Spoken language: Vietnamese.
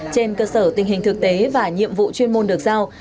trên cơ sở tình hình thực tế và nhiệm vụ chuyên môn được giao